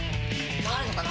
回るのかな。